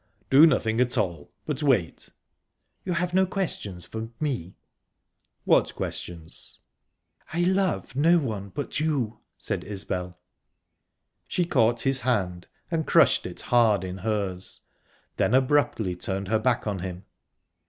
"Do nothing at all, but wait." "You have no questions for me?" "What questions?" "I love no one but you," said Isbel. She caught his hand, and crushed it hard in hers; then abruptly turned her back on him...